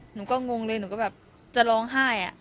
หนูก็งงเลยหนูก็แบบจะร้องไห้